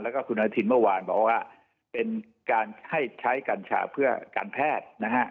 แล้วก็คุณอนุทินเมื่อวานบอกว่าเป็นการให้ใช้กัญชาเพื่อการแพทย์นะฮะ